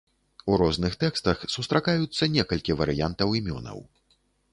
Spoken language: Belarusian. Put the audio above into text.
У розных тэкстах сустракаюцца некалькі варыянтаў імёнаў.